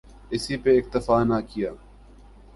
اسی پہ اکتفا نہ کیا۔